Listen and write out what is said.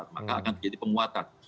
maka akan jadi penguatan